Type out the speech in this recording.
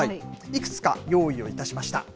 いくつか用意をいたしました。